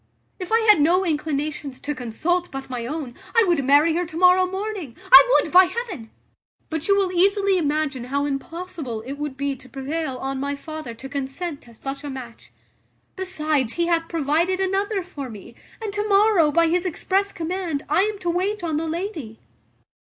If I had no inclinations to consult but my own, I would marry her to morrow morning: I would, by heaven! but you will easily imagine how impossible it would be to prevail on my father to consent to such a match; besides, he hath provided another for me; and to morrow, by his express command, I am to wait on the lady."